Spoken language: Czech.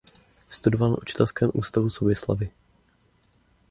Studoval na učitelském ústavu v Soběslavi.